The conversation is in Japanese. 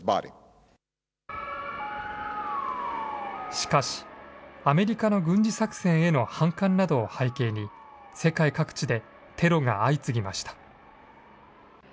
しかし、アメリカの軍事作戦への反感などを背景に、世界各地でテロが相次ぎました。